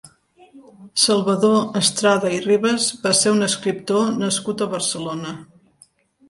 Salvador Estrada i Ribas va ser un escriptor nascut a Barcelona.